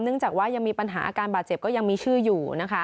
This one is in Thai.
เนื่องจากว่ายังมีปัญหาอาการบาดเจ็บก็ยังมีชื่ออยู่